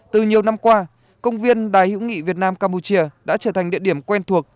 từ nhiều năm qua công viên đài hữu nghị việt nam campuchia đã trở thành địa điểm quen thuộc